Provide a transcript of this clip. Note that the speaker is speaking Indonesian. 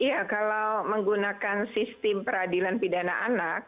iya kalau menggunakan sistem peradilan pidana anak